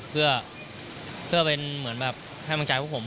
เพื่อเป็นเหมือนแบบให้มันชัยพวกผม